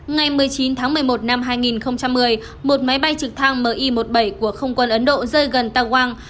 ngày một mươi chín tháng một mươi một năm hai nghìn một mươi một máy bay trực thăng mi một mươi bảy của không quân ấn độ rơi gần tawang